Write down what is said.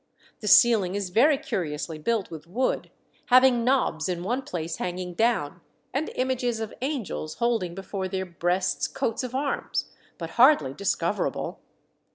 The ceiling is very curiously built with wood, having knobs in one place hanging down, and images of angels holding before their breasts coats of arms, but hardly discoverable.